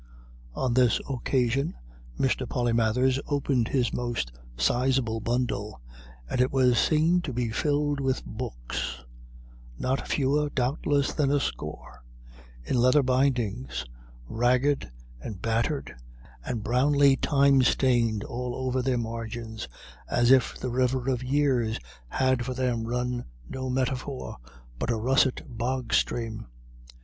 On this occasion Mr. Polymathers opened his most sizable bundle, and it was seen to be filled with books, not fewer, doubtless, than a score, in leather bindings, ragged and battered, and brownly time stained all over their margins, as if the river of years had for them run no metaphor, but a russet bog stream.